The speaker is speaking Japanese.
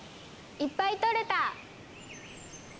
いっぱい採れた！